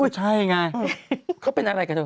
อึ้ยใช่ง่ายเขาเป็นอะไรกับตัว